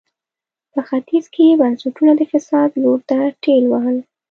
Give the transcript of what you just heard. په ختیځ کې یې بنسټونه د فساد لور ته ټېل وهل.